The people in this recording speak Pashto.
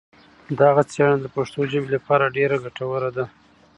دغه څېړنه د پښتو ژبې لپاره ډېره ګټوره ده.